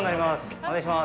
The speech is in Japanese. お願いします。